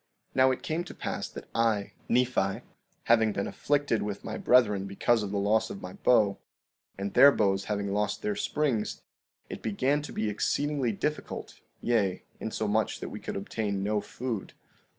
16:21 Now it came to pass that I, Nephi, having been afflicted with my brethren because of the loss of my bow, and their bows having lost their springs, it began to be exceedingly difficult, yea, insomuch that we could obtain no food.